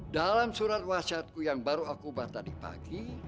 dalam surat wasiatku yang baru aku bahas tadi pagi